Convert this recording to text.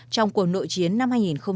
trong cuộc nội chiến năm hai nghìn một mươi ba